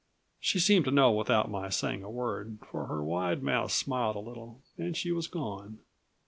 She seemed to know without my saying a word, for her wide mouth smiled a little and she was gone.